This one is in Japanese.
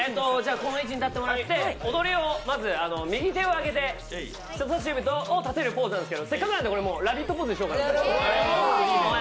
この位置に立ってもらってまず右手を挙げて人差し指を立てるポーズなんですけど、せっかくなのでラヴィットポーズにしようかなと。